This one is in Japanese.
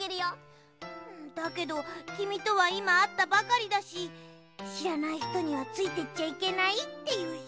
だけどきみとはいまあったばかりだししらないひとにはついていっちゃいけないっていうし。